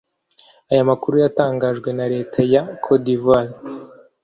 Aya makuru yatangajwe na leta ya Cote d’Ivoire